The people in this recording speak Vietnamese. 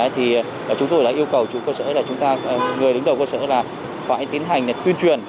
thì chúng tôi đã yêu cầu người đứng đầu cơ sở là phải tiến hành tuyên truyền